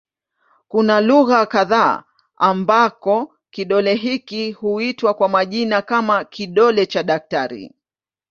Kuna lugha kadha ambako kidole hiki huitwa kwa majina kama "kidole cha daktari".